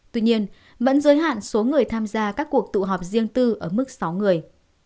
tuy nhiên vẫn giới hạn số người tham gia các cuộc tụ họp riêng tư ở mức sáu người